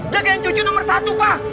jagain cucu nomor satu pak